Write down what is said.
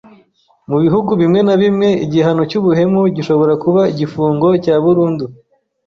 Mu bihugu bimwe na bimwe, igihano cy’ubuhemu gishobora kuba igifungo cya burundu.